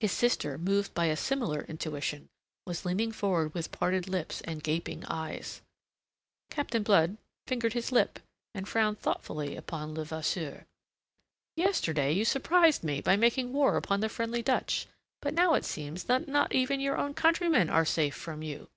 His sister, moved by a similar intuition, was leaning forward with parted lips and gaping eyes. Captain Blood fingered his lip, and frowned thoughtfully upon Levasseur. "Yesterday you surprised me by making war upon the friendly Dutch. But now it seems that not even your own countrymen are safe from you."